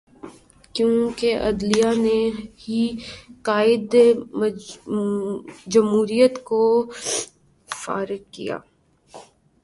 کیونکہ عدلیہ نے ہی قائد جمہوریت کو فارغ کیا۔